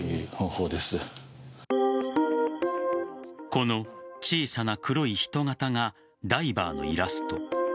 この小さな黒い人型がダイバーのイラスト。